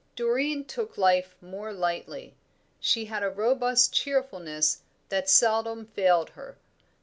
Doreen took life more lightly; she had a robust cheerfulness that seldom failed her.